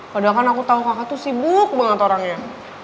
padahal kan aku tahu kakak tuh sibuk banget orangnya